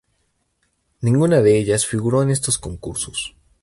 Ninguna de ellas figuró en estos concursos.